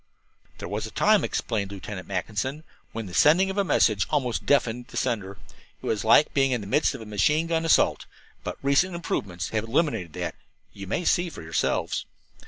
"There was a time," explained Lieutenant Mackinson, "when the sending of a message almost deafened the sender. It was like being in the midst of a machine gun assault. But recent improvements have eliminated that. You may see for yourselves."